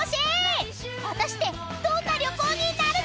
［果たしてどんな旅行になるのか⁉］